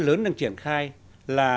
lớn đang triển khai là